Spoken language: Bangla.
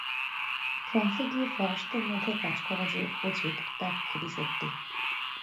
ফ্রান্সে গিয়ে ফরাসীদের মধ্যে কাজ করা যে উচিত, তা খুবই সত্যি।